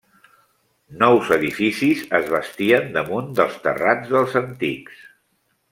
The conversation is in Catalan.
Nous edificis es bastien damunt dels terrats dels antics.